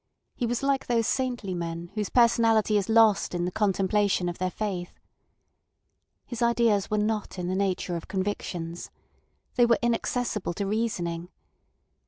He was like those saintly men whose personality is lost in the contemplation of their faith. His ideas were not in the nature of convictions. They were inaccessible to reasoning.